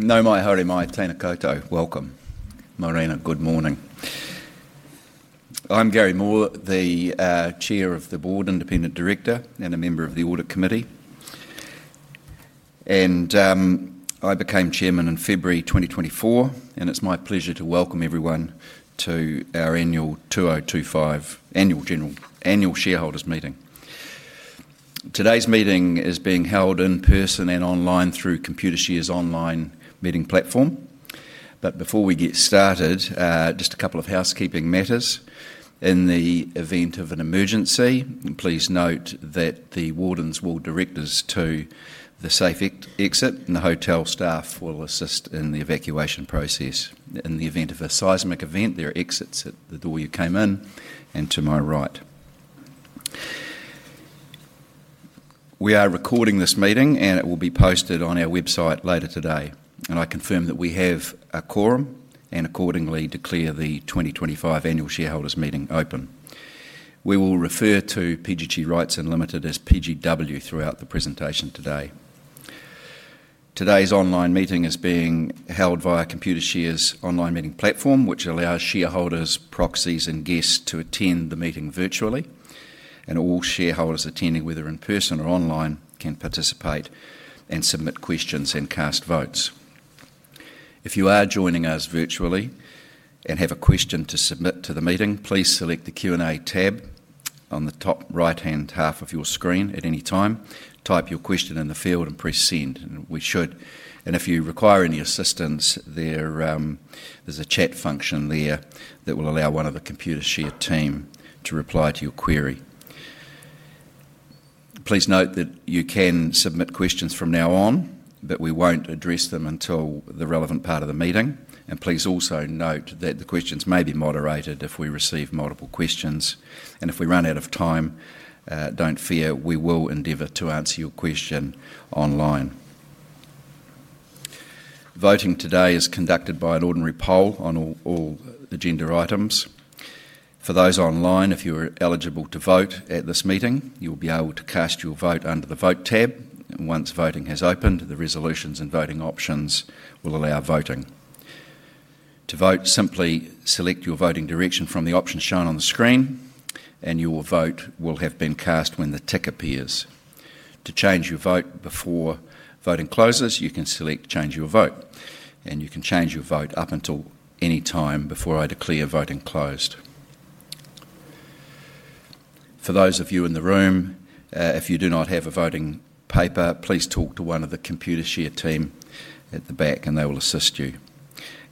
Nau mai, haere mai, tēnā koutou, welcome, mōrena, good morning. I'm Gary Moore, the Chair of the Board, Independent Director, and a member of the Audit Committee, and I became Chairman in February 2024, and it's my pleasure to welcome everyone to our 2025 annual shareholders meeting. Today's meeting is being held in person and online through Computershare’s online meeting platform. Before we get started, just a couple of housekeeping matters. In the event of an emergency, please note that the wardens will direct us to the safe exit, and the hotel staff will assist in the evacuation process. In the event of a seismic event, there are exits at the door you came in and to my right. We are recording this meeting, and it will be posted on our website later today. I confirm that we have a quorum and accordingly declare the 2025 annual shareholders meeting open. We will refer to PGG Wrightson Limited as PGW throughout the presentation today. Today's online meeting is being held via Computershare’s online meeting platform, which allows shareholders, proxies, and guests to attend the meeting virtually, and all shareholders attending, whether in person or online, can participate and submit questions and cast votes. If you are joining us virtually and have a question to submit to the meeting, please select the Q and A tab on the top right-hand half of your screen. At any time, type your question in the field and press send. If you require any assistance there, there's a chat function that will allow one of the Computershare team to reply to your query. Please note that you can submit questions from now on, but we won't address them until the relevant part of the meeting. Please also note that the questions may be moderated. If we receive multiple questions and if we run out of time, don't fear, we will endeavor to answer your question. Online voting today is conducted by an ordinary poll on all agenda items for those online. If you are eligible to vote at this meeting, you will be able to cast your vote under the Vote tab. Once voting has opened, the resolutions and voting options will allow voting. Simply select your voting direction from the options shown on the screen, and your vote will have been cast when the tick appears. To change your vote before voting closes, you can select change your vote, and you can change your vote up until any time before I declare voting closed. For those of you in the room. If you do not have a voting paper, please talk to one of the Computershare team at the back and they will assist you.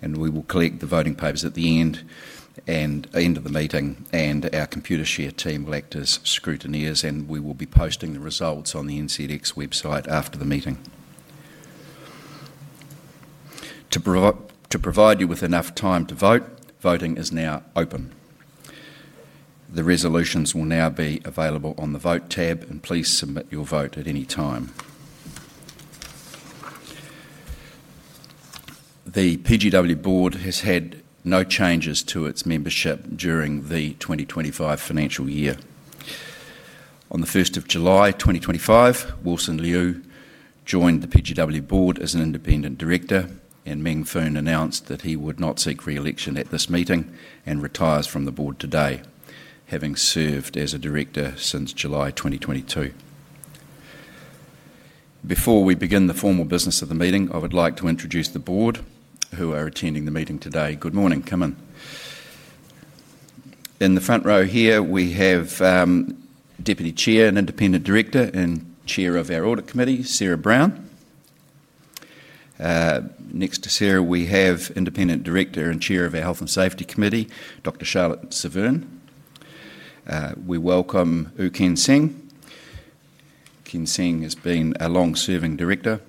We will collect the voting papers at the end of the meeting and our Computershare team will act as scrutineers. We will be posting the results on the NZX website after the meeting voting. To provide you with enough time to vote, voting is now open. The resolutions will now be available on the Vote tab and please submit your vote at any time. The PGW Board has had no changes to its membership during the 2025 financial year. On 1 July 2025, Wilson Liu joined the PGW Board as an Independent Director and Meng Phoon announced that he would not seek re-election at this meeting and retires from the Board today having served as a Director since July 2022. Before we begin the formal business of the meeting, I would like to introduce the Board who are attending the meeting today. Good morning. In the front row here we have Deputy Chair and Independent Director and Chair of our Audit Committee, Sarah Brown. Next to Sarah we have Independent Director and Chair of our Health and Safety Committee, Dr. Charlotte Severn. We welcome Ken Singh. Ken Singh has been a long-serving Director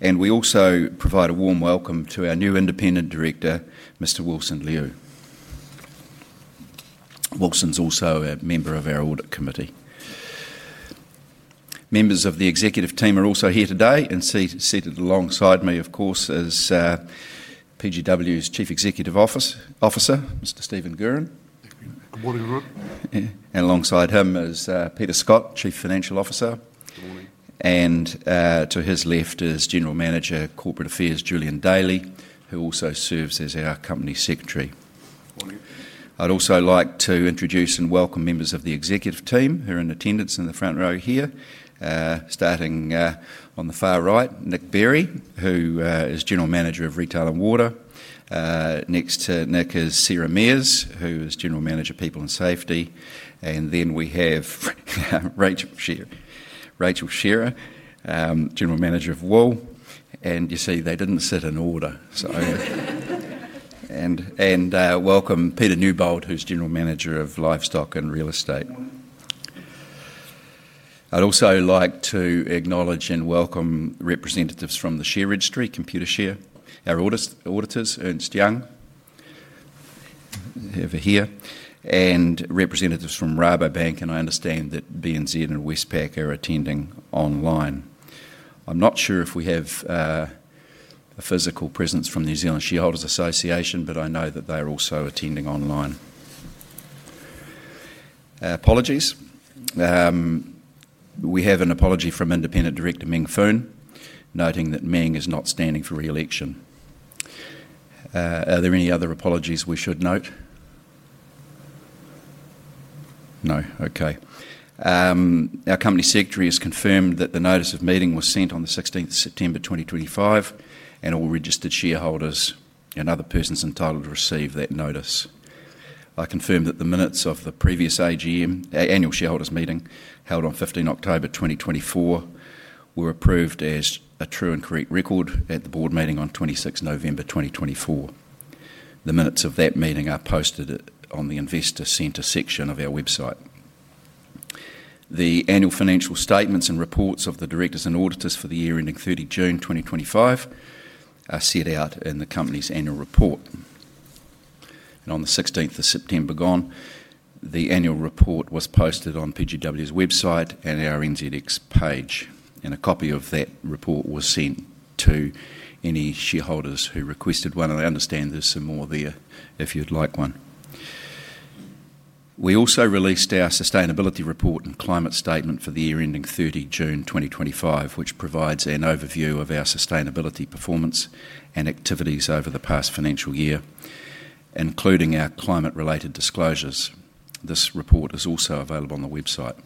and we also provide a warm welcome to our new Independent Director, Mr. Wilson Liu. Wilson's also a member of our Audit Committee. Members of the Executive team are also here today. Seated alongside me, of course, is PGW's Chief Executive Officer, Mr. Stephen Guerin. Good morning, everyone. Alongside him is Peter Scott, Chief Financial Officer. To his left is General Manager Corporate Affairs Julian Daly, who also serves as our Company Secretary. I'd also like to introduce and welcome members of the Executive team who are in attendance. In the front row here, starting on the far right, Nick Berry, who is General Manager of Retail & Water. Next to Nick is Sarah Mears, who is General Manager, People and Safety. Then we have Rachel Shearer, General Manager of Wool. You see they didn't sit in order. Welcome Peter Newbold, who's General Manager of Livestock and Real Estate. I'd also like to acknowledge and welcome representatives from the Share Registry, Computershare. Our auditors Ernst & Young are over here, and representatives from Rabobank. I understand that BNZ and Westpac are attending online. I'm not sure if we have a physical presence from New Zealand Shareholders Association, but I know that they are also attending online. Apologies. We have an apology from Independent Director Meng Phoon, noting that Meng is not standing for re-election. Are there any other apologies we should note? No. Okay. Our Company Secretary has confirmed that the Notice of Meeting was sent on 16 September 2025 to all registered shareholders and other persons entitled to receive that notice. I confirm that the minutes of the previous AGM Annual Shareholders Meeting held on 15 October 2024 were approved as a true and correct record at the Board meeting on 26 November 2024. The minutes of that meeting are posted on the Investor Centre section of our website. The annual financial statements and reports of the directors and auditors for the year ending 30 June 2025 are set out in the company's annual report on 16 September just gone. The annual report was posted on PGW's website and our NZX page, and a copy of that report was sent to any shareholders who requested one. I understand there's some more there if you'd like one. We also released our Sustainability Report and Climate Statement for the year ending 30 June 2025, which provides an overview of our sustainability performance and activities over the past financial year, including our climate-related disclosures. This report is also available on the website.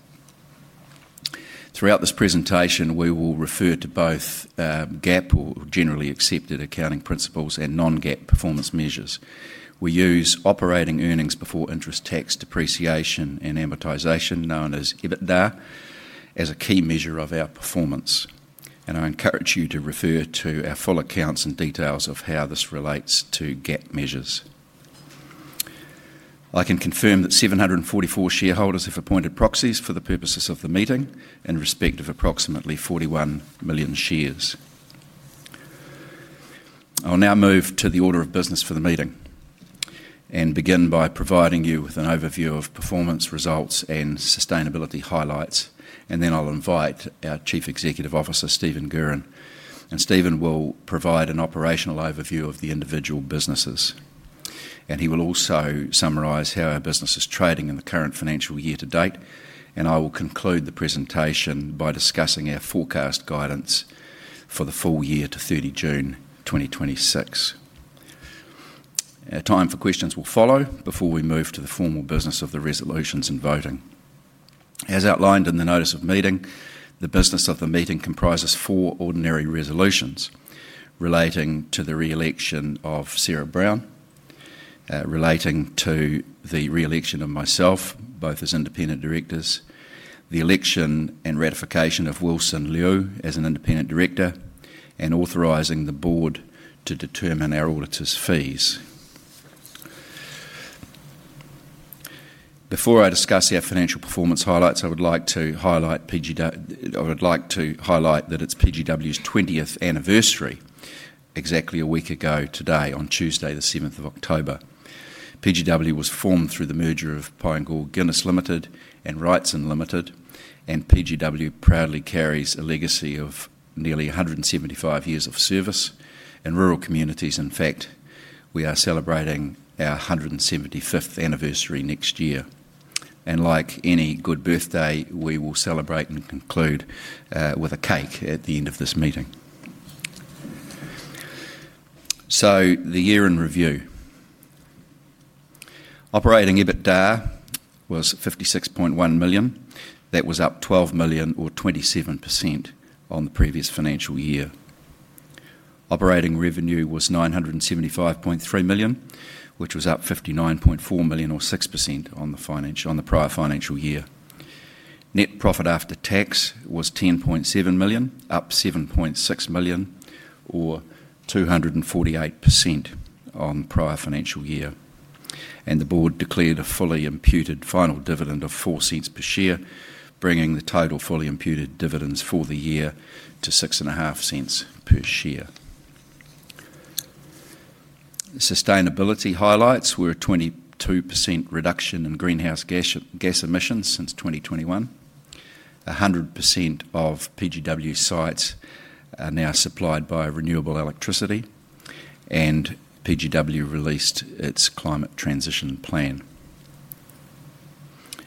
Throughout this presentation, we will refer to both GAAP or Generally Accepted Accounting Principles and non-GAAP performance measures. We use Operating Earnings Before Interest, Tax, Depreciation and Amortization, known as EBITDA, as a key measure of our performance, and I encourage you to refer to our full accounts and details of how this relates to GAAP measures. I can confirm that 744 shareholders have appointed proxies for the purposes of the meeting in respect of approximately 41 million shares. I'll now move to the order of business for the meeting and begin by providing you with an overview of performance results and sustainability highlights. Then I'll invite our Chief Executive Officer, Stephen Guerin, and Stephen will provide an operational overview of the individual businesses. He will also summarize how our business is trading in the current financial year to date, and I will conclude the presentation by discussing our forecast guidance for the full year to 30 June 2026. Our time for questions will follow before we move to the formal business of the resolutions and voting as outlined in the Notice of Meeting. The business of the meeting comprises four ordinary resolutions relating to the re-election of Sarah Brown, relating to the re-election of myself both as Independent Directors, the election and ratification of Wilson Liu as an Independent Director, and authorizing the Board to determine our auditor's fees. Before I discuss our financial performance highlights, I would like to highlight that it's PGW's 20th anniversary. Exactly a week ago today, on Tuesday, 7th October, PGW was formed through the merger of Pyne Gould Guinness Limited and Wrightson Limited, and PGW proudly carries a legacy of nearly 175 years of service in rural communities. In fact, we are celebrating our 175th anniversary next year, and like any good birthday, we will celebrate and conclude with a cake at the end of this meeting. The year in review: operating EBITDA was $56.1 million. That was up $12 million or 27% on the previous financial year. Operating revenue was $975.3 million, which was up $59.4 million or 6% on the prior financial year. Net profit after tax was $10.7 million, up $7.6 million or 248% on prior financial year. The Board declared a fully imputed final dividend of $0.04 per share, bringing the total fully imputed dividends for the year to $0.065 per share. Sustainability highlights were a 22% reduction in greenhouse gas emissions since 2021. 100% of PGW sites are now supplied by renewable electricity, and PGW released its Climate Transition Plan.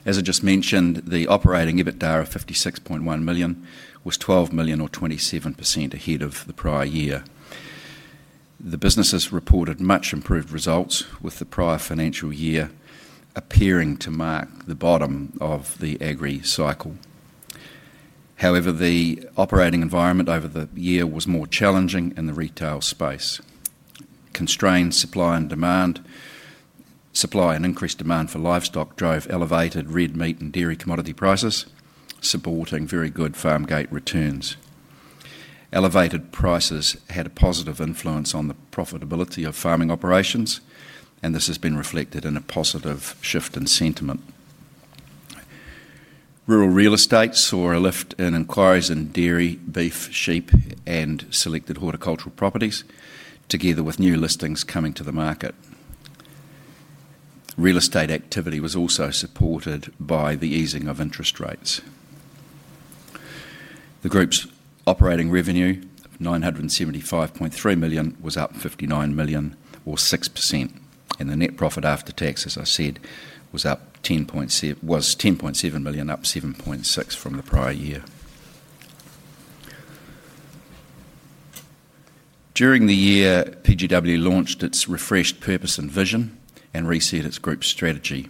As I just mentioned, the operating EBITDA of $56.1 million was $12 million or 27% ahead of the prior year. The businesses reported much improved results, with the prior financial year appearing to mark the bottom of the agri cycle. However, the operating environment over the year was more challenging in the retail space, constrained supply and demand. Supply and increased demand for livestock drove elevated red meat and dairy commodity prices, supporting very good Farmgate returns. Elevated prices had a positive influence on the profitability of farming operations, and this has been reflected in a positive shift in sentiment. Rural real estate saw a lift in inquiries in dairy, beef, sheep, and selected horticultural properties, together with new listings. Real estate activity was also supported by the easing of interest rates. The Group's operating revenue, $975.3 million, was up $59 million or 6%, and the net profit after tax, as I said, was $10.7 million, up $7.6 million from the prior year. During the year, PGG Wrightson Limited launched its refreshed purpose and vision and reset its group strategy.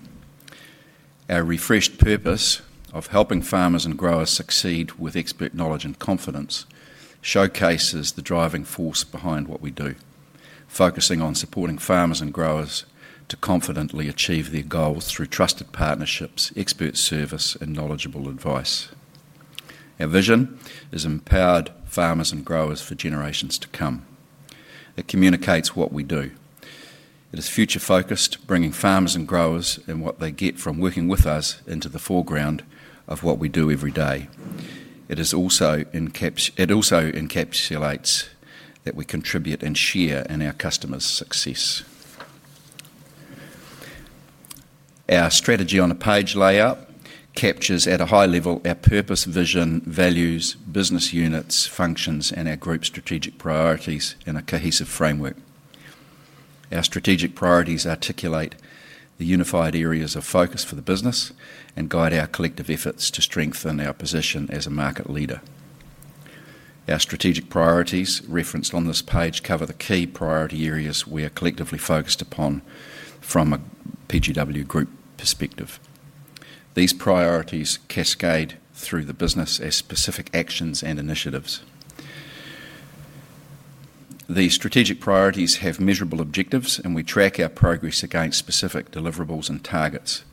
Our refreshed purpose of helping farmers and growers succeed with expert knowledge and confidence showcases the driving force behind what we do, focusing on supporting farmers and growers to confidently achieve their goals through trusted partnerships, expert service, and knowledgeable advice. Our vision is empowered farmers and growers for generations to come. It communicates what we do. It is future focused, bringing farmers and growers and what they get from working with us into the foreground of what we do every day. It also encapsulates that we contribute and share in our customers' success. Our Strategy on a Page layout captures at a high level our purpose, vision, values, business units, functions, and our group strategic priorities in a cohesive framework. Our strategic priorities articulate the unified areas of focus for the business and guide our collective efforts to strengthen our position as a market leader. Our strategic priorities referenced on this page cover the key priority areas we are collectively focused upon. From a PGG Wrightson Limited group perspective, these priorities cascade through the business as specific actions and initiatives. The strategic priorities have measurable objectives and we track our progress against specific deliverables and targets.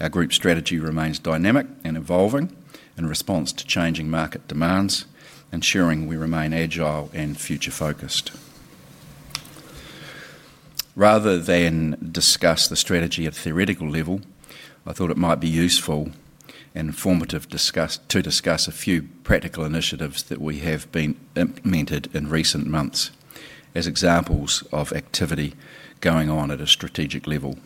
Our group strategy remains dynamic and evolving in response to changing market demands, ensuring we remain agile and future focused. Rather than discuss the strategy at a theoretical level, I thought it might be useful and informative to discuss a few practical initiatives that we have implemented in recent months as examples of activity going on at a strategic level,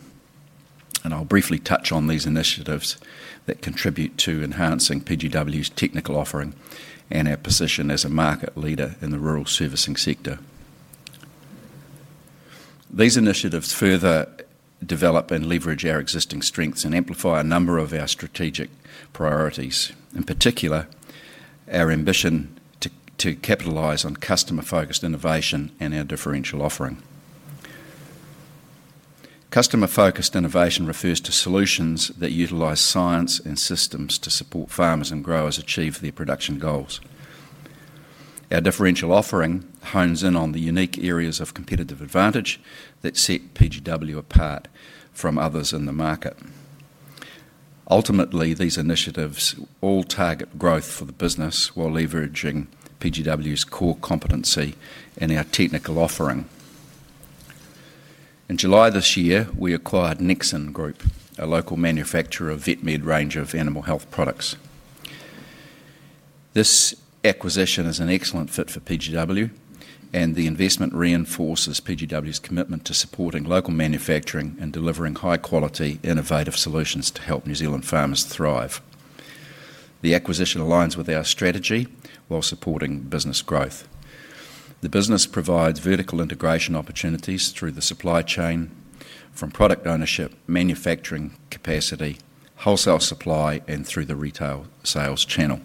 and I'll briefly touch on these initiatives that contribute to enhancing PGG Wrightson Limited's technical offering and our position as a market leader in the rural servicing sector. These initiatives further develop and leverage our existing strengths and amplify a number of our strategic priorities, in particular our ambition to capitalize on customer focused innovation and our differential offering. Customer focused innovation refers to solutions that utilize science and systems to support farmers and growers achieve their production goals. Our differential offering hones in on the unique areas of competitive advantage that set PGG Wrightson Limited apart from others in the market. Ultimately, these initiatives all target growth for the business while leveraging PGW's core competency in our technical offering. In July this year we acquired Nexan Group, a local manufacturer of the Vet Med range of animal health products. This acquisition is an excellent fit for PGW, and the investment reinforces PGW's commitment to supporting local manufacturing and delivering high quality, innovative solutions to help New Zealand farmers thrive. The acquisition aligns with our strategy while supporting business growth. The business provides vertical integration opportunities through the supply chain from product ownership, manufacturing capacity, wholesale supply, and through the retail sales channel.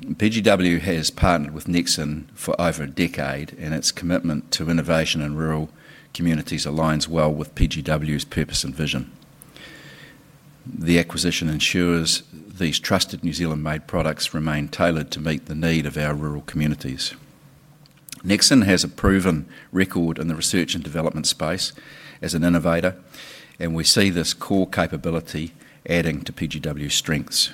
PGW has partnered with Nexan for over a decade, and its commitment to innovation in rural communities aligns well with PGW's purpose and vision. The acquisition ensures these trusted New Zealand made products remain tailored to meet the needs of our rural communities. Nexan has a proven record in the research and development space as an innovator, and we see this core capability adding to PGW's strengths.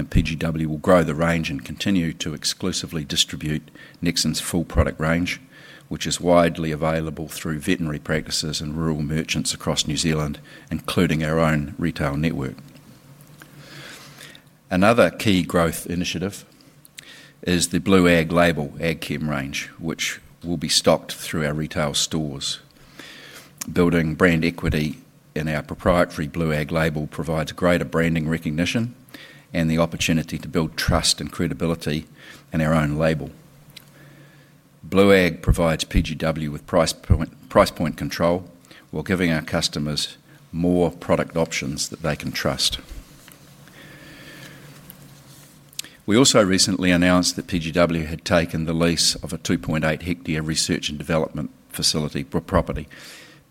PGW will grow the range and continue to exclusively distribute Nexan's full product range, which is widely available through veterinary practices and rural merchants across New Zealand, including our own retail network. Another key growth initiative is the Blue Ag Label ag chem range, which will be stocked through our retail stores. Building brand equity in our proprietary Blue Ag Label provides greater branding recognition and the opportunity to build trust and credibility in our own label. Blue Ag provides PGW with price point control while giving our customers more product options that they can trust. We also recently announced that PGW had taken the lease of a 2.8 hectare research and development facility property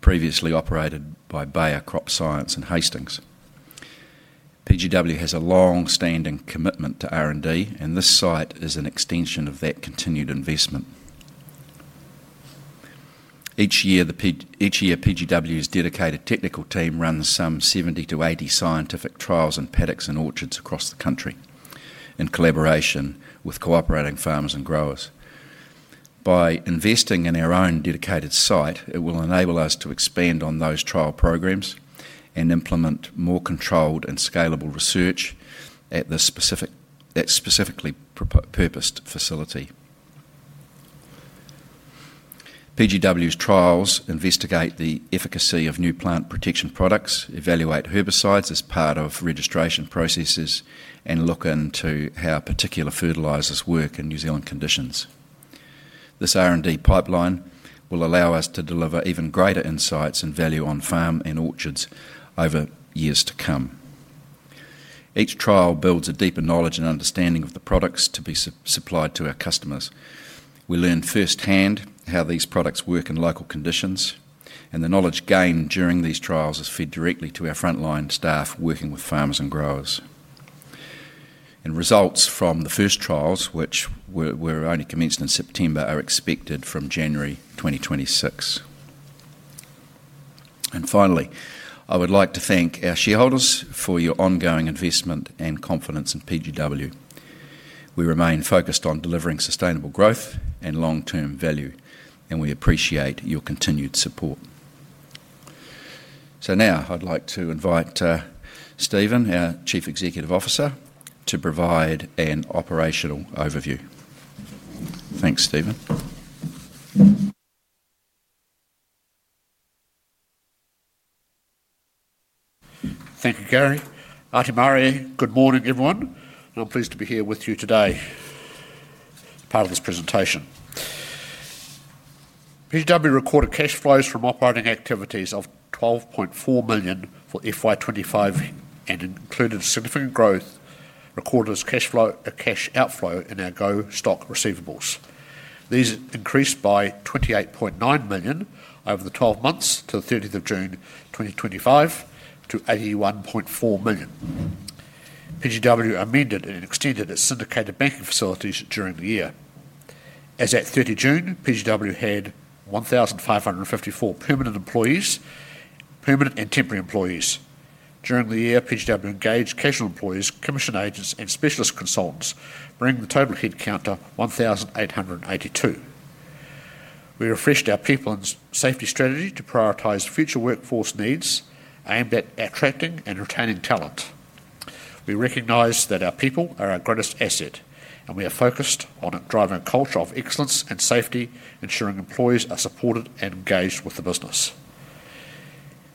previously operated by Bayer Crop Science in Hastings. PGW has a longstanding commitment to R&D, and this site is an extension of that continued investment. Each year PGW's dedicated technical team runs some 70 to 80 scientific trials in paddocks and orchards across the country in collaboration with cooperating farmers and growers. By investing in our own dedicated site, it will enable us to expand on those trial programs and implement more controlled and scalable research at a specifically purposed facility. PGW's trials investigate the efficacy of new plant protection products, evaluate herbicides as part of registration processes, and look into how particular fertilizers work in New Zealand conditions. This R&D pipeline will allow us to deliver even greater insights and value on farm and orchards over years to come. Each trial builds a deeper knowledge and understanding of the products to be supplied to our customers. We learn firsthand how these products work in local conditions, and the knowledge gained during these trials is fed directly to our frontline staff working with farmers and growers. Results from the first trials, which were only commenced in September, are expected from January 2026. Finally, I would like to thank our shareholders for your ongoing investment and confidence in PGW. We remain focused on delivering sustainable growth and long-term value, and we appreciate your continued support. I would like to invite Stephen, our Chief Executive Officer, to provide an operational overview. Thanks, Stephen. Thank you, Gary. Good morning, everyone. I'm pleased to be here with you today. As part of this presentation, PGW recorded cash flows from operating activities of $12.4 million for FY25 and included significant growth recorded as cash outflow in our GO-STOCK receivables. These increased by $28.9 million over the 12 months to 30 June 2025 to $81.4 million. PGW amended and extended its syndicated banking facilities during the year. As at 30 June, PGW had 1,554 permanent and temporary employees during the year. PGW engaged casual employees, commission agents, and specialist consultants, bringing the total headcount to 1,882. We refreshed our People and Safety strategy to prioritize future workforce needs aimed at attracting and retaining talent. We recognize that our people are our greatest asset, and we are focused on driving a culture of excellence and safety, ensuring employees are supported and engaged with the business.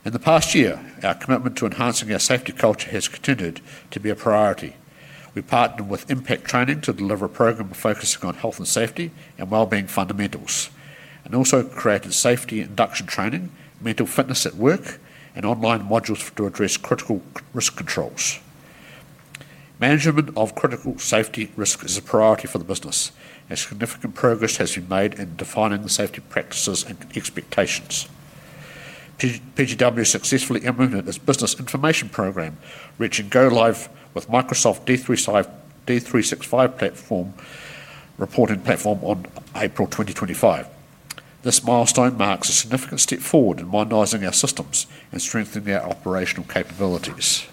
In the past year, our commitment to enhancing our safety culture has continued to be a priority. We partnered with IMPACT Training to deliver a program focusing on health and safety and wellbeing fundamentals and also created safety induction training, mental fitness at work, and online modules to address critical risk controls. Management of critical safety risk is a priority for the business as significant progress has been made in defining the safety practices and expectations. PGW successfully implemented its Business Information Program, reaching go live with Microsoft D365 reporting platform in April 2025. This milestone marks a significant step forward in modernizing our systems and strengthening our operational capabilities.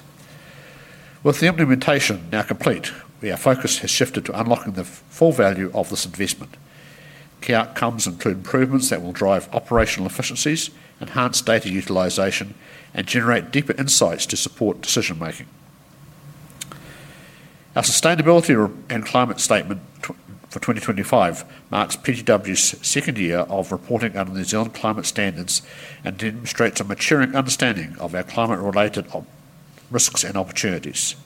With the implementation now complete, our focus has shifted to unlocking the full value of this investment. Key outcomes include improvements that will drive operational efficiencies, enhance data utilization, and generate deeper insights to support decision making. Our Sustainability Report and climate statement for 2025 marks PGW's second year of reporting under New Zealand Climate Standards and demonstrates a maturing understanding of our climate-related risks and opportunities.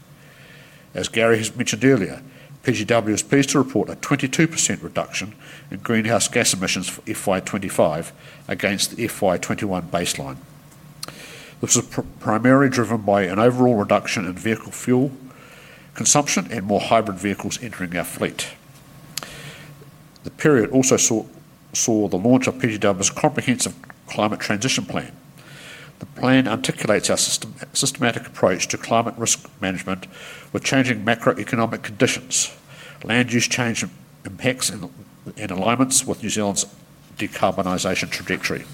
As Gary has mentioned earlier, PGW is pleased to report a 22% reduction in greenhouse gas emissions for FY25 against the FY21 baseline. This was primarily driven by an overall reduction in vehicle fuel consumption and more hybrid vehicles entering our fleet. The period also saw the launch of PGW's comprehensive Climate Transition Plan. The plan articulates our systematic approach to climate risk management with changing macroeconomic conditions, land use change impacts in alignment with New Zealand's decarbonisation trajectory.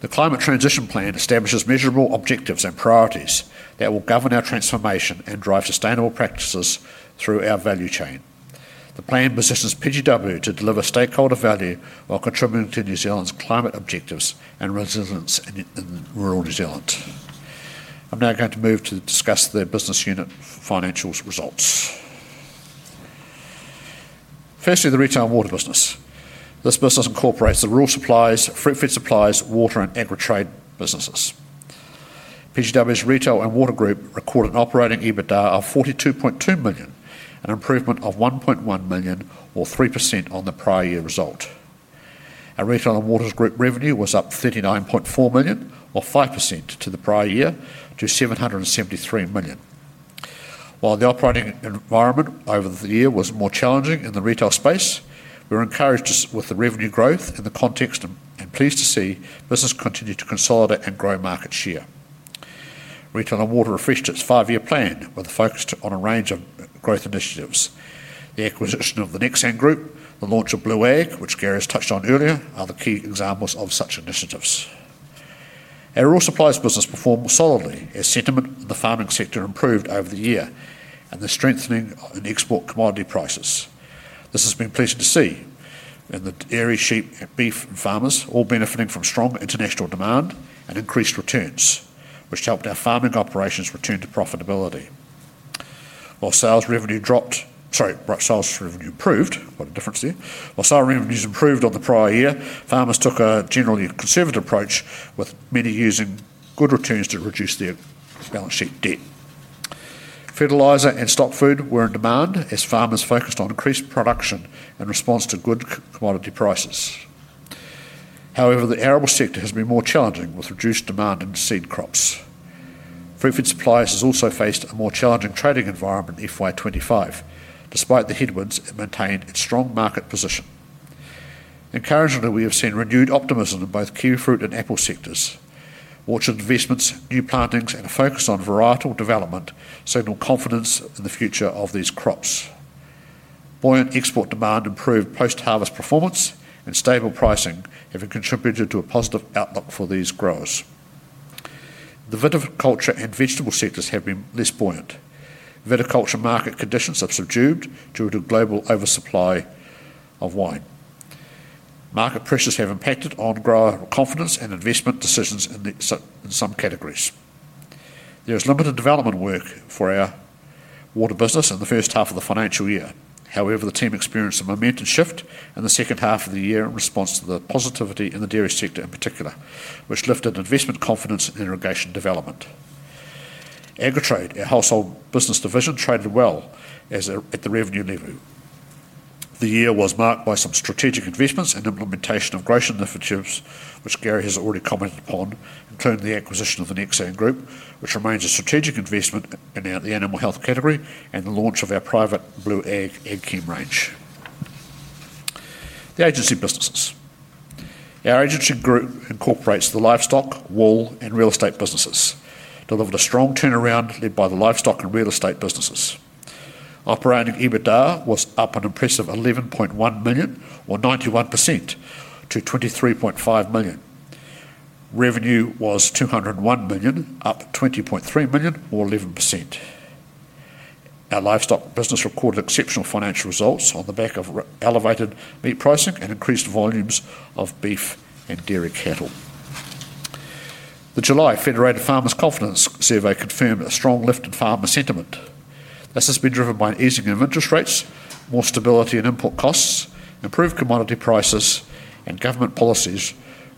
The Climate Transition Plan establishes measurable objectives and priorities that will govern our transformation and drive sustainable practices through our value chain. The plan positions PGW to deliver stakeholder value while contributing to New Zealand's climate objectives and resilience in rural New Zealand. I'm now going to move to discuss the business unit financial results. Firstly, the Retail & Water business. This business incorporates the Rural Supplies, Fruitfed Supplies, Water, and Agritrade businesses. PGW's Retail & Water group recorded an operating EBITDA of $42.2 million, an improvement of $1.1 million or 3% on the prior year result. Our Retail & Water group revenue was up $39.4 million or 5% to the prior year to $773 million. While the operating environment over the year was more challenging in the retail space, we were encouraged with the revenue growth in the context and pleased to see business continue to consolidate and grow market share. Retail & Water refreshed its five-year plan with a focus on a range of growth initiatives. The acquisition of the Nexan Group and the launch of Blue Ag Label, which Gary has touched on earlier, are key examples of such initiatives. Our Rural Supplies business performed solidly and sentiment in the farming sector improved over the year and the strengthening in export commodity prices. This has been pleasing to see in the dairy, sheep, beef, and farmers all benefiting from strong international demand and increased returns, which helped our farming operations return to profitability while sales revenue improved. What a difference there. While sales revenues improved on the prior year, farmers took a generally conservative approach with many using good returns to reduce their balance sheet debt. Fertiliser and stock food were in demand as farmers focused on increased production in response to good commodity prices. However, the arable sector has been more challenging with reduced demand in seed crops. Fruitfed Supplies has also faced a more challenging trading environment. FY2025, despite the headwinds, it maintained its strong market position. Encouragingly, we have seen renewed optimism in both kiwifruit and apple sectors. Orchard investments, new plantings, and a focus on varietal development signal confidence in the future of these crops. Buoyant export demand, improved post-harvest performance, and stable pricing have contributed to a positive outlook for these growers. The viticulture and vegetable sectors have been less buoyant. Viticulture market conditions have subdued due to global oversupply of wine. Market pressures have impacted on grower confidence and investment decisions in some categories. There is limited development work for our water business in the first half of the financial year. However, the team experienced a momentum shift in the second half of the year in response to the positivity in the dairy sector in particular, which lifted investment confidence in irrigation development. Agritrade, our household business division, traded well at the revenue level. The year was marked by some strategic investments and implementation of gross initiatives which Gary has already commented upon, including the acquisition of the Nexan Group, which remains a strategic investment in the animal health category, and the launch of our private Blue Ag Label Ag Chem range. The Agency Businesses Our agency group incorporates the livestock, wool, and real estate businesses, delivered a strong turnaround led by the livestock and real estate businesses. Operating EBITDA was up an impressive $11.1 million or 91% to $23.5 million. Revenue was $201 million, up $20.3 million or 11%. Our livestock business recorded exceptional financial results on the back of the elevated meat pricing and increased volumes of beef and dairy cattle. The July Federated Farmers Confidence Survey confirmed a strong lift in farmer sentiment. This has been driven by an easing of interest rates, more stability in input costs, improved commodity prices, and government policies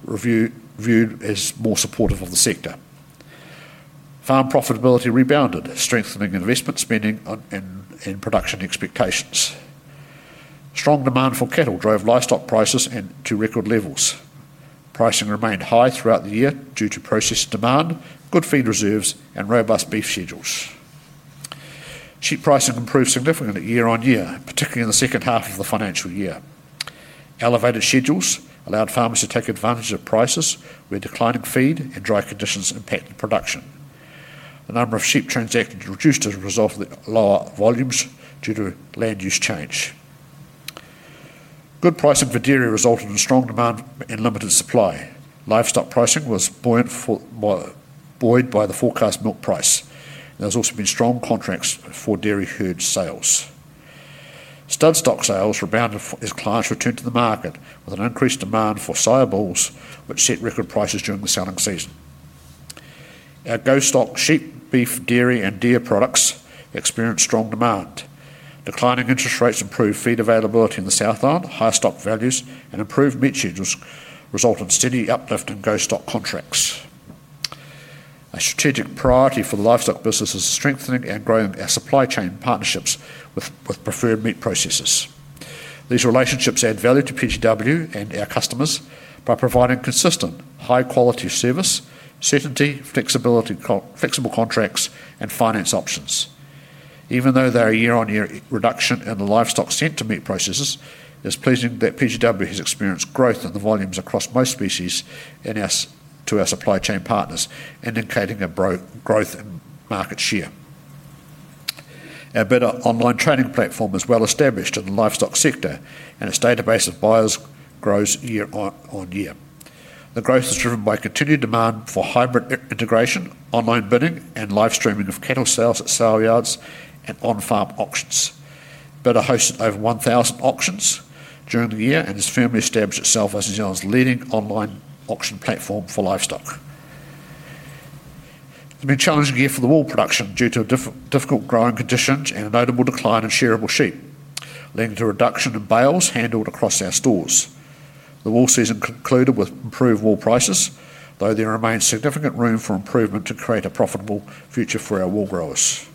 viewed as more supportive of the sector. Farm profitability rebounded, strengthening investment spending on production expectations. Strong demand for cattle drove livestock prices to record levels. Pricing remained high throughout the year due to processed demand, good feed reserves, and robust beef schedules. Sheep pricing improved significantly year on year, particularly in the second half of the financial year. Elevated schedules allowed farmers to take advantage of prices where declining feed and dry conditions impacted production. The number of sheep transacted reduced as a result of the lower volumes due to land use change. Good pricing for dairy resulted in strong demand and limited supply. Livestock pricing was buoyant for, buoyed by the forecast milk price. There's also been strong contracts for dairy herd sales. Stud stock sales rebounded as clients returned to the market with an increased demand for sows which set record prices during the selling season. Our GO-STOCK, sheep, beef, dairy, and deer products experienced strong demand. Declining interest rates, improved feed availability in the South Island, higher stock values, and improved meat schedules result in steady uplift in GO-STOCK contracts. A strategic priority for the livestock business is strengthening and growing our supply chain partnerships with preferred meat processors. These relationships add value to PGG Wrightson Limited and our customers by providing consistent high-quality service, certainty, flexibility, flexible contracts, and finance options. Even though there are year-on-year reductions in the livestock sent to meat processors, it's pleasing that PGG Wrightson Limited has experienced growth in the volumes across most species to our supply chain partners, indicating a growth in market share. Our bidr online training platform is well established in the livestock sector and its database of buyers grows year on year. The growth is driven by continued demand for hybrid integration, online bidding, and live streaming of cattle sales at saleyards and on-farm auctions. bidr hosted over 1,000 auctions during the year and has firmly established itself as New Zealand's leading online auction platform for livestock. It has been a challenging year for the wool production due to difficult growing conditions and a notable decline in shearable sheep, leading to a reduction in bales handled across our stores. The wool season concluded with improved wool prices, though there remains significant room for improvement. To create a profitable future for our wool growers,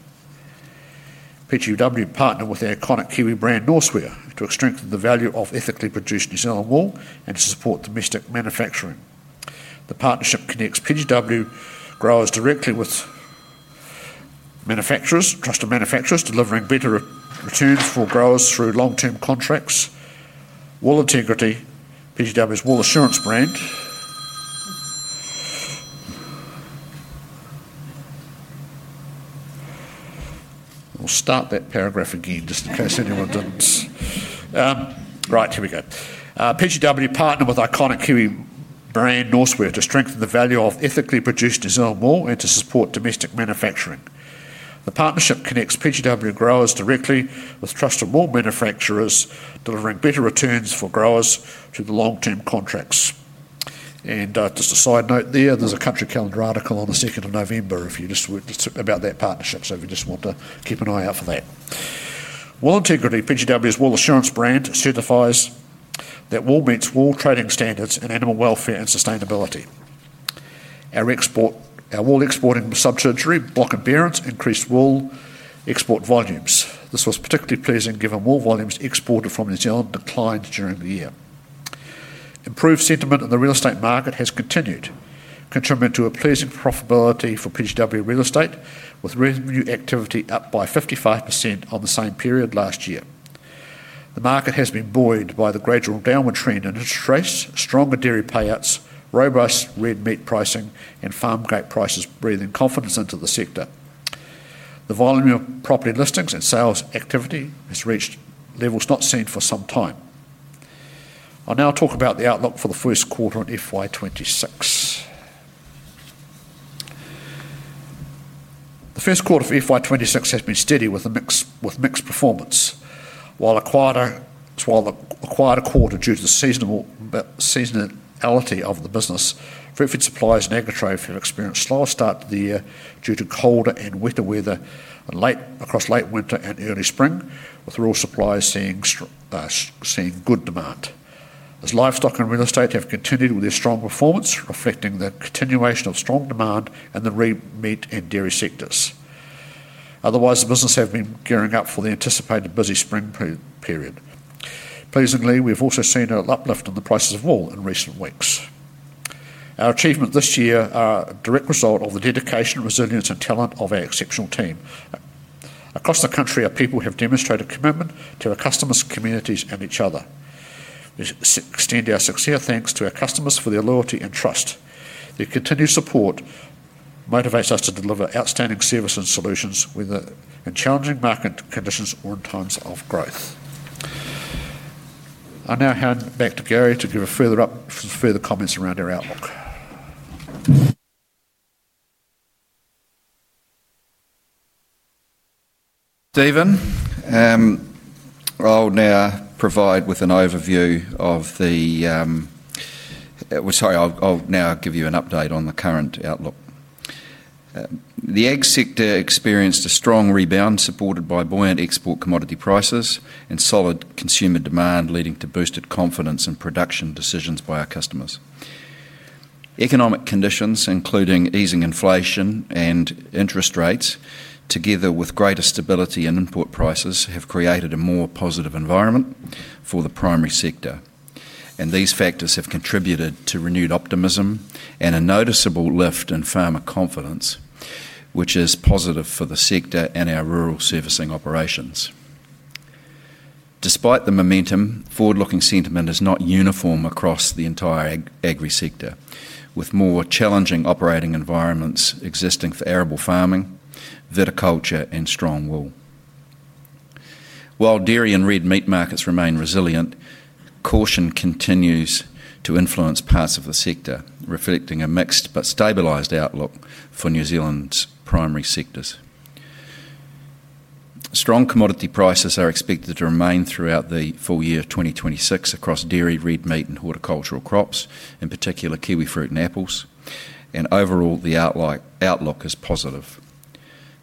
There's a Country Calendar article on the 2nd of November about that partnership, so keep an eye out for that. Wool Integrity, PGW's Wool Assurance brand, certifies that wool meets wool trading standards in animal welfare and sustainability. Our wool exporting subsidiary, Bloch & Behrens, increased wool export volumes. This was particularly pleasing given wool volumes exported from New Zealand declined during the year. Improved sentiment in the real estate market has continued to contribute to a pleasing profitability for PGW Real Estate, with revenue activity up by 55% on the same period last year. The market has been buoyed by the gradual downward trend in interest rates, stronger dairy payouts, robust red meat pricing, and farm gate prices, breathing confidence into the sector. The volume of property listings and sales activity has reached levels not seen for some time. I'll now talk about the outlook for the first quarter in FY2026. The first quarter for FY2026 has been steady with mixed performance, while a quieter quarter due to the seasonality of the business. Fruitfed Supplies and Agritrade have experienced a slower start to the year due to colder and wetter weather across late winter and early spring, with Rural Supplies seeing good demand as livestock and real estate have continued with their strong performance, reflecting the continuation of strong demand in the red meat and dairy sectors. Otherwise, the business has been gearing up for the anticipated busy spring period. Pleasingly, we have also seen an uplift in the prices of wool in recent weeks. Our achievements this year are a direct result of the dedication, resilience, and talent of our exceptional team across the country. Our people have demonstrated commitment to our customers, communities, and each other. We extend our sincere thanks to our customers for their loyalty and trust. Their continued support motivates us to deliver outstanding service and solutions in challenging market conditions or in times of growth. I now hand back to Gary to give further comments around our outlook. I'll now give you an update on the current outlook. The ag sector experienced a strong rebound supported by buoyant export commodity prices and solid consumer demand, leading to boosted confidence and production decisions by our customers. Economic conditions, including easing inflation and interest rates, together with greater stability in import prices, have created a more positive environment for the primary sector. These factors have contributed to renewed optimism and a noticeable lift in farmer confidence, which is positive for the sector and our rural servicing operations. Despite the momentum, farm forward-looking sentiment is not uniform across the entire agri sector, with more challenging operating environments existing for arable farming, viticulture, and strong wool. While dairy and red meat markets remain resilient, caution continues to influence parts of the sector, reflecting a mixed but stabilized outlook for New Zealand's primary sectors. Strong commodity prices are expected to remain throughout the full year 2026 across dairy, red meat, and horticultural crops, in particular kiwifruit and apples. Overall, the outlook is positive.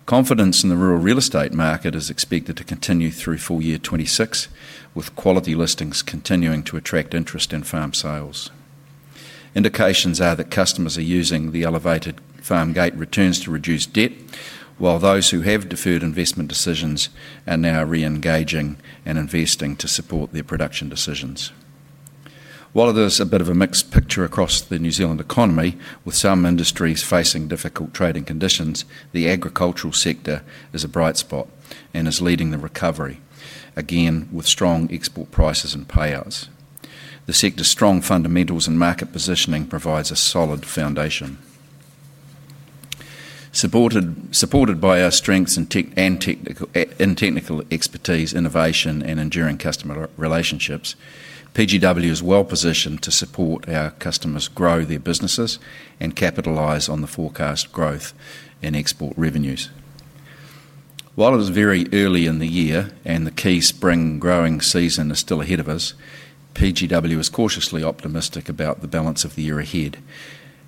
Confidence in the rural real estate market is expected to continue through full year 2026, with quality listings continuing to attract interest in farm sales. Indications are that customers are using the elevated farm gate returns to reduce debt, while those who have deferred investment decisions are now re-engaging and investing to support their production decisions. It is a bit of a mixed picture across the New Zealand economy, with some industries facing difficult trading conditions. The agricultural sector is a bright spot and is leading the recovery again with strong export prices and payouts. The sector's strong fundamentals and market positioning provide a solid foundation. Supported by our strengths in technical expertise, innovation, and enduring customer relationships, PGG Wrightson Limited is well positioned to support our customers, grow their businesses, and capitalize on the forecast growth in export revenues. It is very early in the year and the key spring growing season is still ahead of us. PGG Wrightson Limited is cautiously optimistic about the balance of the year ahead,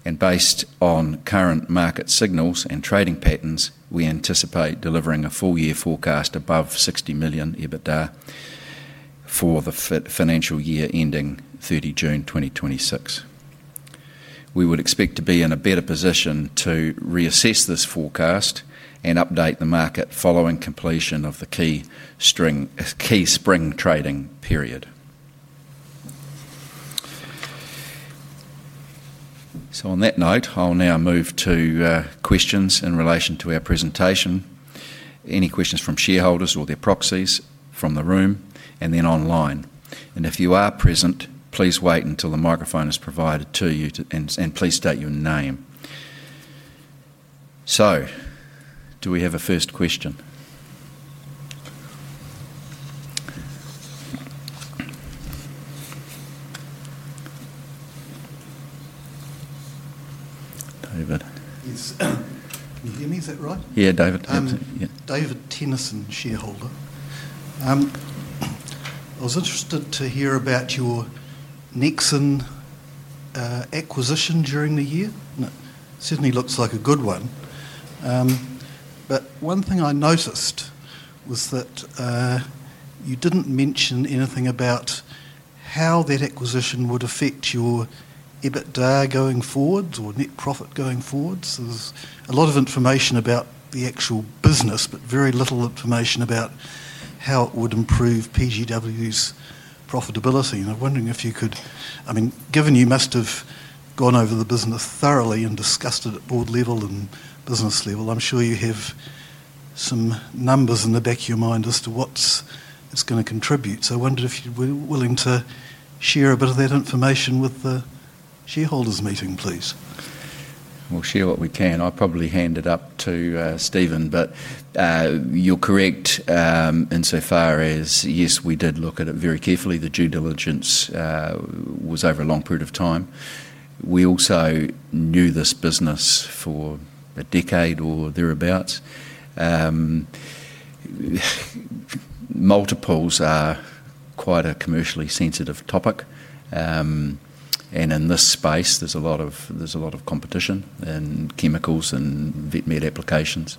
and based on current market signals and trading patterns, we anticipate delivering a full year forecast above $60 million EBITDA for the financial year ending 30 June 2026. We would expect to be in a better position to reassess this forecast and update the market following completion of the key spring trading period. On that note, I'll now move to questions in relation to our presentation. Any questions from shareholders or their proxies from the room and then online? If you are present, please wait until the microphone is provided to you and please state your name. Do we have a first question? David? Yes, can you hear me? Is that right? Yeah, David. I was interested to hear about your Nexan Group acquisition during the year. It certainly looks like a good one, but one thing I noticed was that you didn't mention anything about how that acquisition would affect your EBITDA going forward or net profit going forward. There's a lot of information about the actual business, but very little information about how it would improve PGW's profitability. I'm wondering if you could, given you must have gone over the business thoroughly and discussed it at board level and business level, I'm sure you have some numbers in the back of your mind as to what's going to contribute. I wonder if you'd be willing to share a bit of that information with the shareholders meeting, please. We'll share what we can. I'll probably hand it up to Stephen, but you're correct insofar as, yes, we did look at it very carefully. The due diligence was over a long period of time. We also knew this business for a decade or thereabouts. Multiples are quite a commercially sensitive topic, and in this space there's a lot of competition in chemicals and Vet Med applications.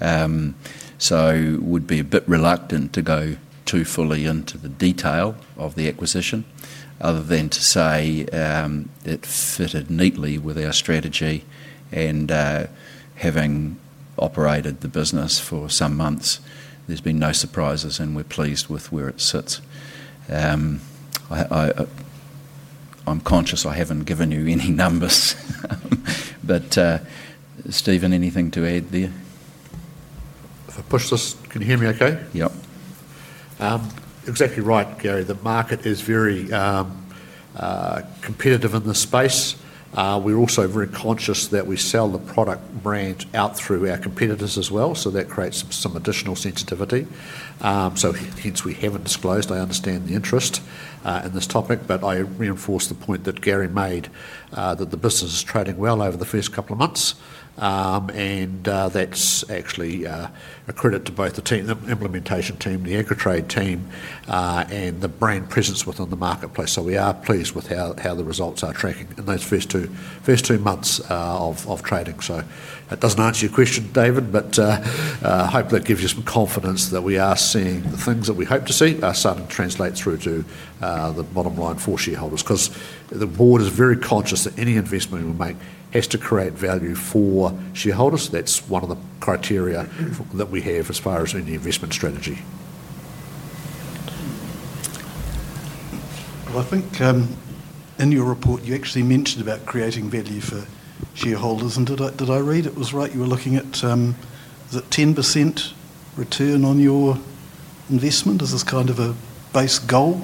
We'd be a bit reluctant to go too fully into the detail of the acquisition other than to say it fitted neatly with our strategy. Having operated the business for some months, there's been no surprises and we're pleased with where it sits. I'm conscious I haven't given you any numbers. Stephen, anything to add there? If I push this? Can you hear me okay? Yep, exactly right, Gary. The market is very competitive in this space. We're also very conscious that we sell the product brand out through our competitors as well. That creates some additional sensitivity. Hence, we haven't disclosed. I understand the interest in this topic, but I reinforce the point that Gary made that the business is trading well over the first couple of months, and that's actually a credit to both the implementation team, the Agritrade team, and the brand presence within the marketplace. We are pleased with how the results are tracking in those first two months of trading. That doesn't answer your question, David, but I hope that gives you some confidence that we are seeing the things that we hope to see translate through to the bottom line for shareholders, because the board is very conscious that any investment we make has to create value for shareholders. That's one of the criteria that we have as far as any investment strategy. In your report you actually mentioned about creating value for shareholders, and did I read it right? You were looking at, is it 10% return on your investment? This is kind of a base goal.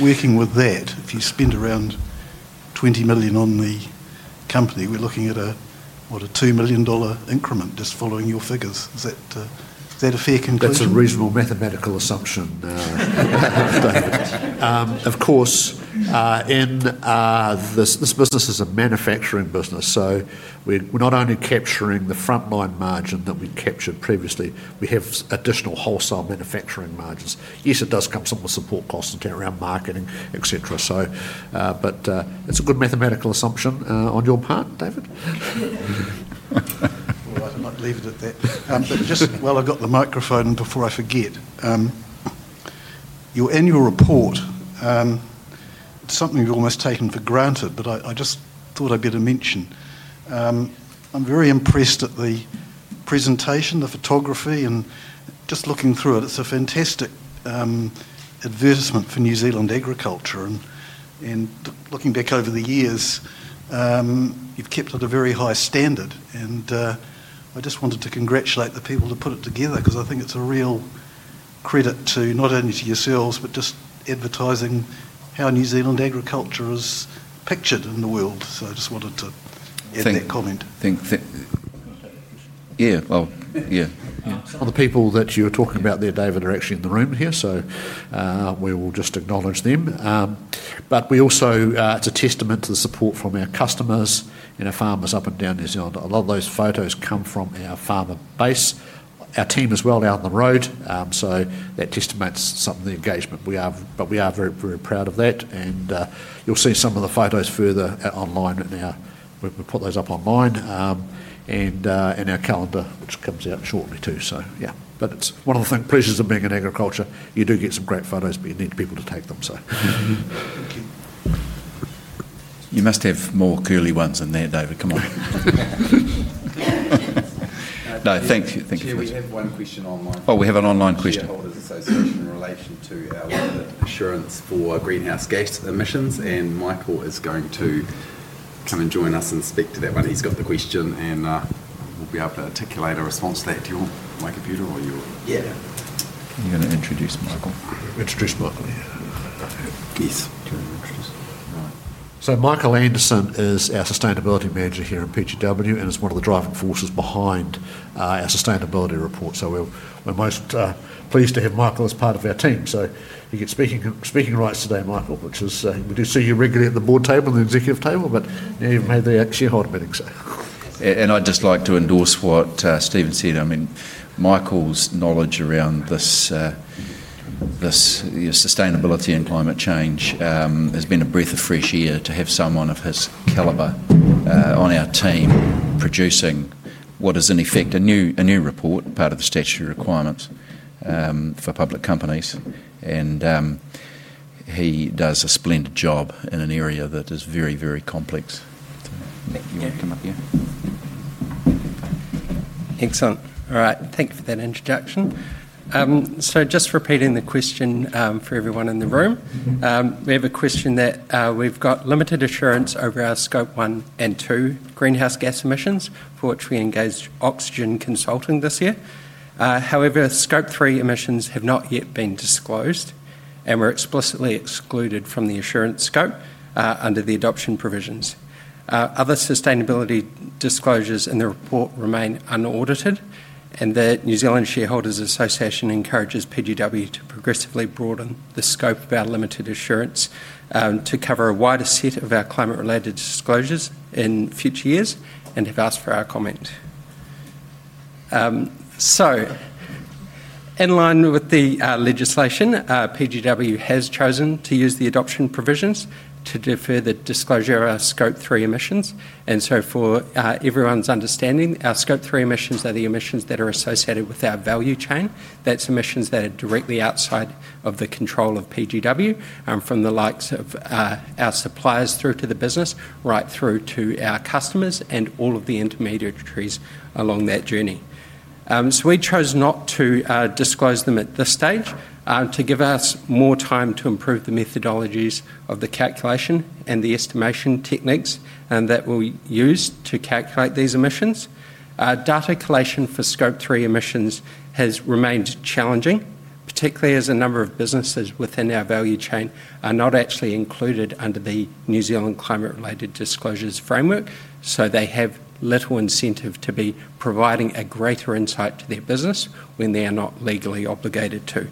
Working with that, if you spend around $20 million on the company, we're looking at a $2 million increment, just following your figures. Is that a fair conclusion? That's a reasonable mathematical assumption. Of course, this business is a manufacturing business, so we're not only capturing the frontline margin that we captured previously, we have additional wholesale manufacturing margins. Yes, it does come with some of the support costs around marketing, et cetera, but it's a good mathematical assumption on your part, David. I might leave it at that, but just while I've got the microphone, before I forget, your annual report. Something. I've almost taken for granted, but I just thought I'd better mention I'm very impressed at the presentation, the photography, and just looking through it, it's a fantastic advertisement for New Zealand agriculture. Looking back over the years, you've kept it a very high standard. I just wanted to congratulate the people who put it together because I think it's a real credit to not only yourselves, but just advertising how New Zealand agriculture is pictured in the world. I just wanted to add that comment. Yeah, some of the people that you were talking about there, David, are actually in the room here, so we will just acknowledge them. It is a testament to the support from our customers and our farmers up and down New Zealand. A lot of those photos come from our farmer base, our team as well, out on the road. That testaments some of the engagement we are. We are very, very proud of that. You'll see some of the photos further online now. We put those up online and our calendar, which comes out shortly too. It is one of the pleasures of being in agriculture. You do get some great photos, but you need people to take them. Thank you. You must have more curly ones in there, David, come on. No, thank you. Thank you. We have one question online. We have an online question in relation to our assurance for greenhouse gas emissions. Michael is going to come and join us and speak to that one. He's got the question and we'll be able to articulate a response to that to you. My computer or your. You're going to introduce Michael. Introduce Michael, yes. Michael Anderson is our Sustainability Manager here in PGG Wrightson and is one of the driving forces behind our sustainability report. We're most pleased to have Michael as part of our team. He gets speaking rights today, Michael, which is great. We do see you regularly at the board table and the executive table. Now you've made the shareholder meeting. I'd just like to endorse what Stephen said. Michael's knowledge around this sustainability and climate change has been a breath of fresh air to have someone of his calibre on our team producing what is in effect a new report, part of the Statute of Requirements for public companies. He does a splendid job in an area that is very, very complex. Come up here. Excellent. All right, thank you for that introduction. Just repeating the question for everyone in the room. We have a question that we've got limited assurance over our Scope 1 and 2 greenhouse gas emissions for which we engaged Oxygen Consulting this year. However, Scope 3 emissions have not yet been disclosed and were explicitly excluded from the assurance scope under the adoption provisions. Other sustainability disclosures in the report remain unaudited and the New Zealand Shareholders Association encourages PGW to progressively broaden the scope of our limited assurance to cover a wider set of our climate-related disclosures in future years and have asked for our comment. In line with the legislation, PGW has chosen to use the adoption provisions to defer the disclosure of our Scope 3 emissions. For everyone's understanding, our Scope 3 emissions are the emissions that are associated with our value chain. That's emissions that are directly outside of the control of PGW, from the likes of our suppliers through to the business, right through to our customers and all of the intermediaries along that journey. We chose not to disclose them at this stage to give us more time to improve the methodologies of the calculation and the estimation techniques that we'll use to calculate these emissions. Data collation for Scope 3 emissions has remained challenging, particularly as a number of businesses within our value chain are not actually included under the New Zealand Climate Related Disclosures framework. They have little incentive to be providing greater insight to their business when they are not legally obligated to.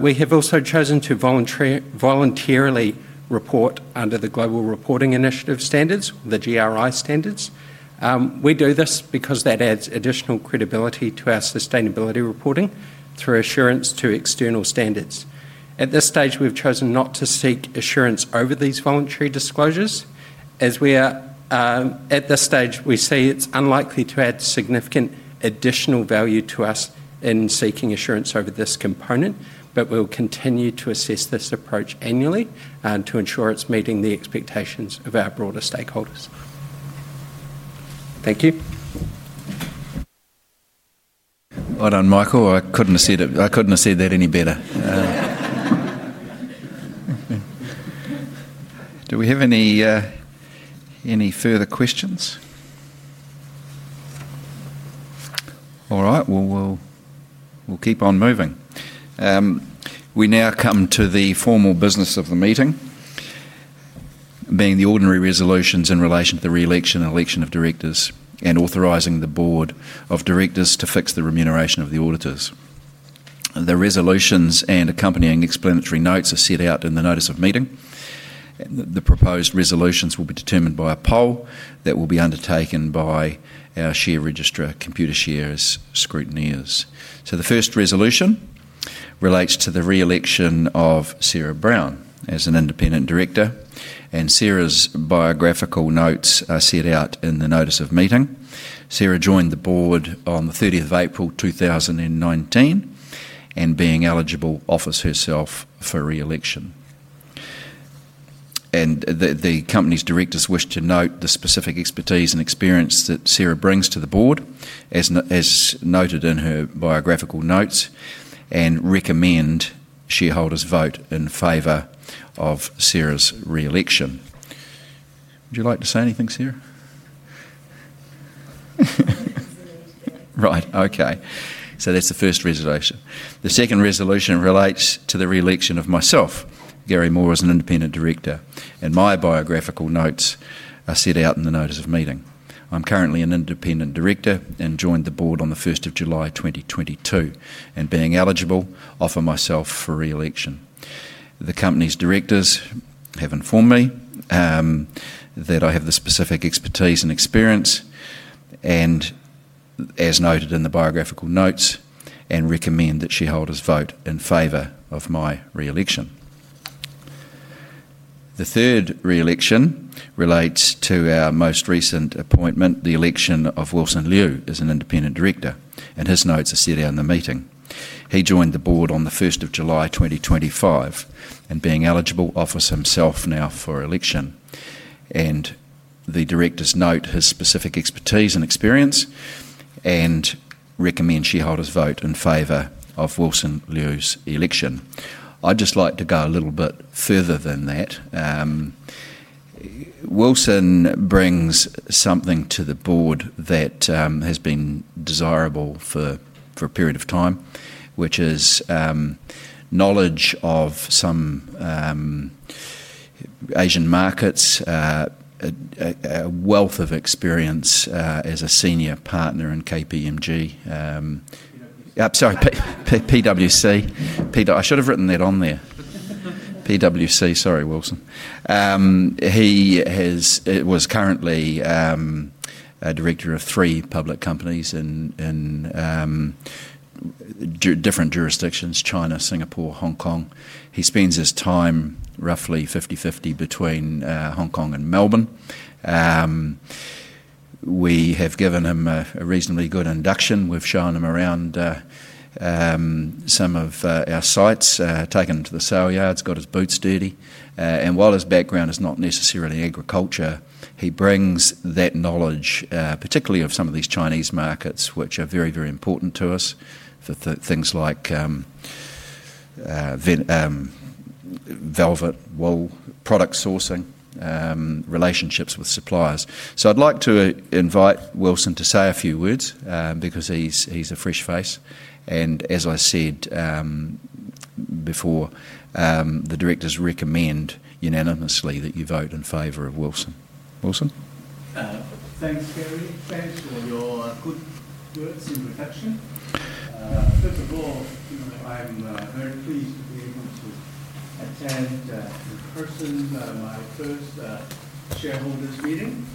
We have also chosen to voluntarily report under the Global Reporting Initiative Standards, the GRI standards. We do this because that adds additional credibility to our sustainability reporting through assurance to external standards. At this stage, we have chosen not to seek assurance over these voluntary disclosures as we are at this stage. We see it's unlikely to add significant additional value to us in seeking assurance over this component. We'll continue to assess this approach annually to ensure it's meeting the expectations of our broader stakeholders. Thank you. Well done, Michael. I couldn't have said that any better. Do we have any further questions? All right, we'll keep on moving. We now come to the formal business of the meeting, being the ordinary resolutions in relation to the re-election, election of directors, and authorizing the Board of Directors to fix the remuneration of the auditors. The resolutions and accompanying explanatory notes are set out in the notice of meeting. The proposed resolutions will be determined by a poll that will be undertaken by our share registrar, Computershare scrutineers. The first resolution relates to the re-election of Sarah Brown as an Independent Director, and Sarah's biographical notes are set out in the notice of meeting. Sarah joined the board on 30 April 2019 and, being eligible, offers herself for re-election. The company's directors wish to note the specific expertise and experience that Sarah brings to the board, as noted in her biographical notes, and recommend shareholders vote in favor of Sarah's re-election. Would you like to say anything, Sarah? Right, okay, so that's the first resolution. The second resolution relates to the re-election of myself, Gary Moore, as an Independent Director, and my biographical notes are set out in the notice of meeting. I'm currently an Independent Director and joined the board on 1 July 2022 and, being eligible, offer myself for re-election. The company's directors have informed me that I have the specific expertise and experience, as noted in the biographical notes, and recommend that shareholders vote in favor of my re-election. The third re-election relates to our most recent appointment, the election of Wilson Liu as an Independent Director, and his notes are set out in the meeting. He joined the board on 1 July 2025 and, being eligible, offers himself now for election. The directors note his specific expertise and experience and recommend shareholders vote in favor of Wilson Liu's election. I'd just like to go a little bit further than that. Wilson brings something to the board that has been desirable for a period of time, which is knowledge of some Asian markets, a wealth of experience as a Senior Partner in PwC. Sorry, Wilson. He is currently director of three public companies in different jurisdictions: China, Singapore, Hong Kong. He spends his time roughly 50% between Hong Kong and Melbourne. We have given him a reasonably good induction. We've shown him around some of our sites, taken him to the sale yards, got his boots dirty. While his background is not necessarily agriculture, he brings that knowledge, particularly of some of these Chinese markets, which are very, very important to us. Things like velvet, wool product sourcing, relationships with suppliers. I'd like to invite Wilson to say a few words because he's a fresh face. As I said before, the directors recommend unanimously that you vote in favor of Wilson. Wilson. Thanks, Gary. Thanks for your good words introduction. First of all, I'm very pleased to be able to attend in person my first shareholders meeting.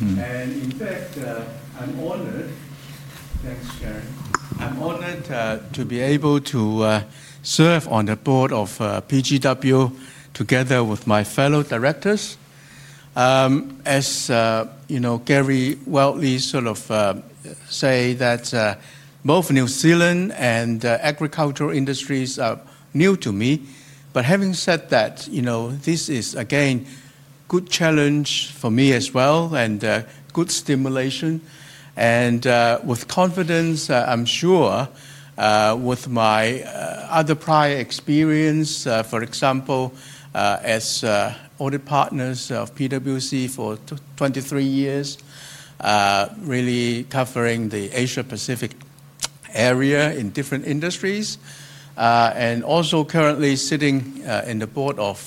In fact, I'm honored. Thanks, Sharon. I'm honored to be able to serve on the board of PGG Wrightson Limited together with my fellow directors. As you know, Gary, I should say that both New Zealand and agricultural industries are new to me. Having said that, this is again a good challenge for me as well and good stimulation, and with confidence, I'm sure with my other prior experience, for example, as audit partner of PwC for 23 years, really covering the Asia Pacific area in different industries and also currently sitting on the board of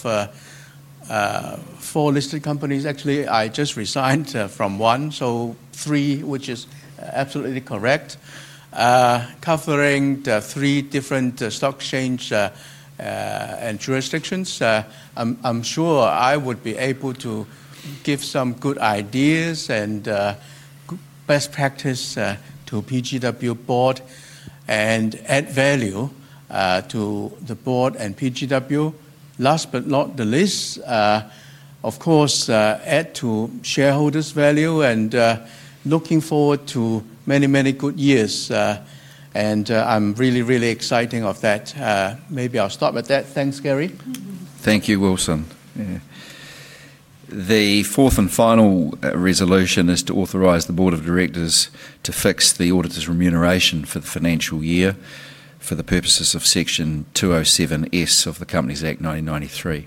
four listed companies. Actually, I just resigned from one, so three, which is absolutely correct, covering three different stock exchanges and jurisdictions. I'm sure I would be able to give some good ideas and best practice to the PGG Wrightson Limited board and add value to the board and PGG Wrightson Limited. Last but not the least, of course, add to shareholders value and looking forward to many, many good years and I'm really, really excited of that. Maybe I'll stop at that. Thanks, Gary. Thank you, Wilson. The fourth and final resolution is to authorize the Board of Directors to fix the auditor's remuneration for the financial year. For the purposes of section 207S of the Companies Act 1993,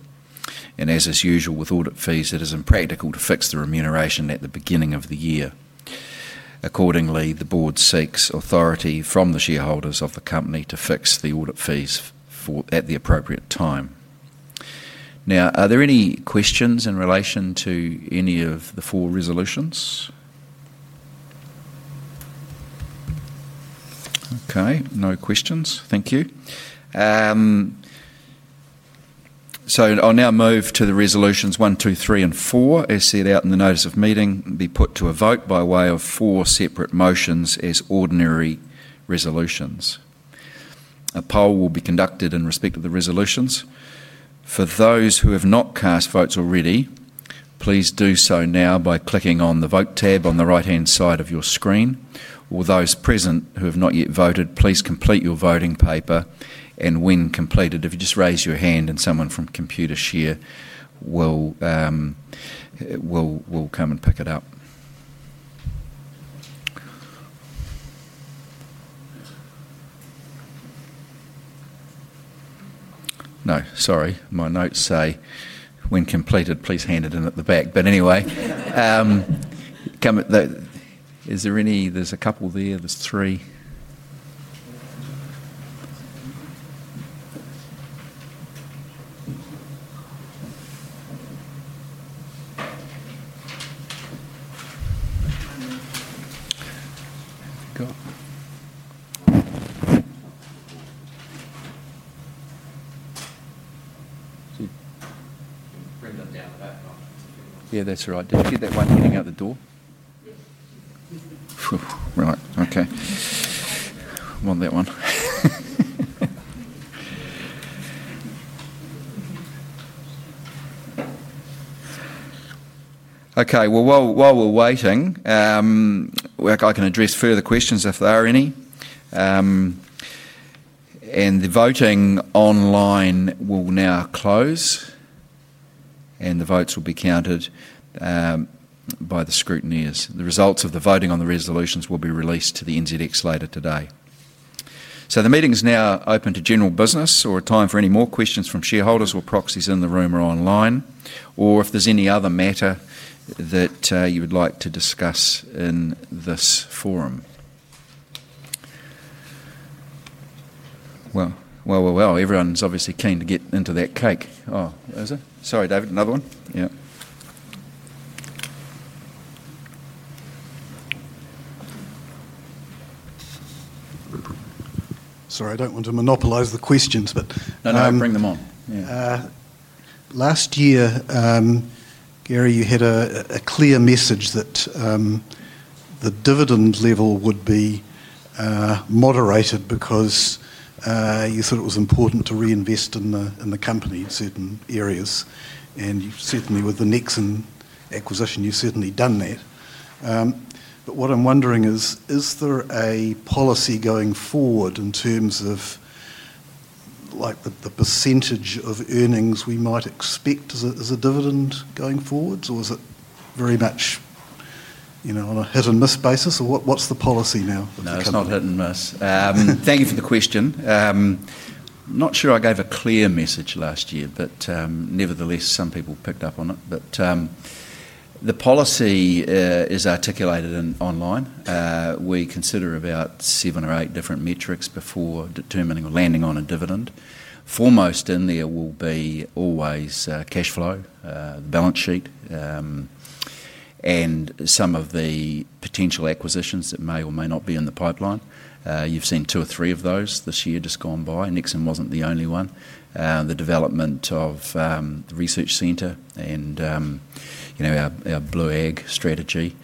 and as is usual with audit fees, it is impractical to fix the remuneration at the beginning of the year. Accordingly, the Board seeks authority from the shareholders of the company to fix the audit fees at the appropriate time. Are there any questions in relation to any of the four resolutions? Okay, no questions. Thank you. I'll now move to the resolutions 1, 2, 3, and 4 as set out in the notice of meeting to be put to a vote by way of four separate motions. As ordinary resolutions, a poll will be conducted in respect of the resolutions. For those who have not cast votes already, please do so now by clicking on the vote tab on the right-hand side of your screen. For those present who have not yet voted, please complete your voting paper, and when completed, please hand it in at the back. Is there any—there's a couple there. That's right. Did you get that one? Hitting out the door. Right, I'm on that one. While we're waiting, I can address further questions, if there are any. The voting online will now close, and the votes will be counted by the scrutineers. The results of the voting on the resolutions will be released to the NZX later today. The meeting is now open to general business or a time for any more questions from shareholders or proxies in the room or online, or if there's any other matter that you would like to discuss in this forum. Everyone's obviously keen to get into that cake. Oh, is it? Sorry, David, another one? Yeah. Sorry, I don't want to monopolize the questions. No, bring them on. Last year, Gary, you had a clear message that the dividend level would be moderated because you thought it was important to reinvest in the company in certain areas. Certainly with the Nexan Group acquisition, you've certainly done that. What I'm wondering is, is there a policy going forward in terms of the % of earnings we might expect as a dividend going forward, or is it very much on a hit and miss basis, or what's the policy now? No, it's not hit and miss. Thank you for the question. Not sure I gave a clear message last year, but nevertheless some people picked up on it. The policy is articulated online. We consider about seven or eight different metrics before determining or landing on a dividend. Foremost in there will always be cash flow, balance sheet, and some of the potential acquisitions that may or may not be in the pipeline. You've seen two or three of those this year just gone by. Nexan Group wasn't the only one. The development of the Research Centre and, you know, our Blue Ag Label strategy.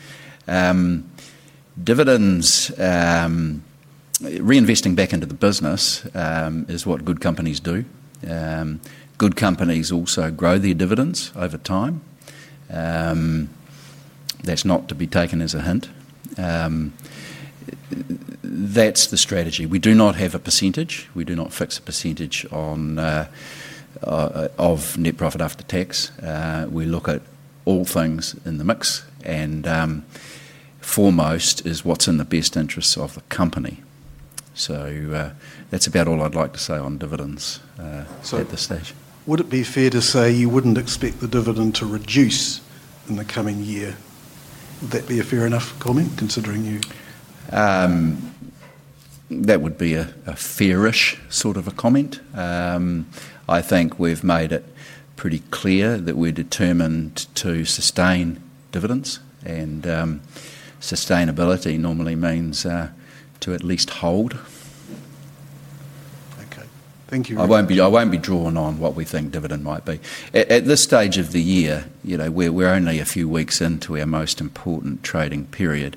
Dividends reinvesting back into the business is what good companies do. Good companies also grow their dividends over time. That's not to be taken as a hint. That's the strategy. We do not have a %, we do not fix a % of net profit after tax. We look at all things in the mix and foremost is what's in the best interest of the company. That's about all I'd like to say on dividends at this stage. Would it be fair to say you wouldn't expect the dividend to reduce in the coming year? Would that be a fair enough comment considering you. That would be a fairish sort of a comment. I think we've made it pretty clear that we're determined to sustain dividends, and sustainability normally means to at least hold. Okay, thank you. I won't be drawn on what we think dividend might be at this stage of the year. You know, we're only a few weeks into our most important trading period.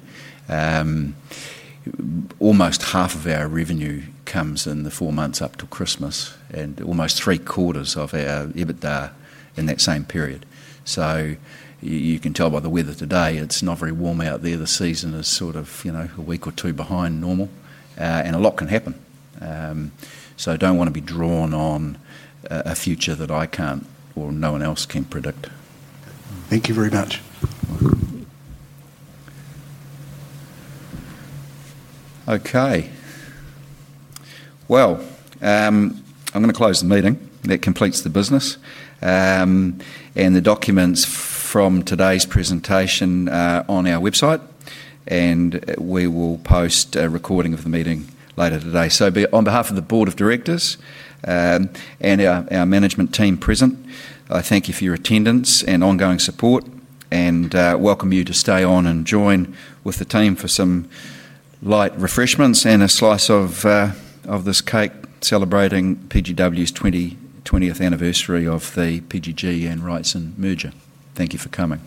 Almost half of our revenue comes in the four months up till Christmas, and almost three quarters of our EBITDA in that same period. You can tell by the weather today it's not very warm out there. The season is sort of a week or two behind normal, and a lot can happen. I don't want to be drawn on a future that I can't or no one else can predict. Thank you very much. I'm going to close the meeting. That completes the business, and the documents from today's presentation are on our website. We will post a recording of the meeting later today. On behalf of the Board of Directors and our management team present, I thank you for your attendance and ongoing support and welcome you to stay on and join with the team for some light refreshments and a slice of this cake celebrating PGW's 20th anniversary of the PGG Wrightson merger. Thank you for coming.